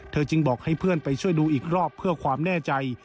จึงบอกให้เพื่อนไปช่วยดูอีกรอบเพื่อความแน่ใจ